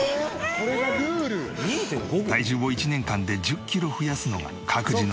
体重を１年間で１０キロ増やすのが各自のノルマ。